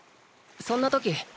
そんな時。